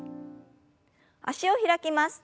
脚を開きます。